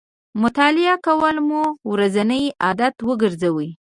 مطالعه کول مو ورځنی عادت وګرځوئ